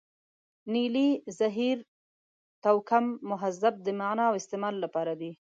نیلې، زهیر، توکم، مهذب د معنا او استعمال لپاره دي.